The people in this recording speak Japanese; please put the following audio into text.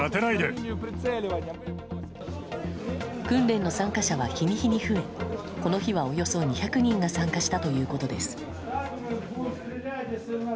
訓練の参加者は日に日に増えこの日は、およそ２００人が参加したということです。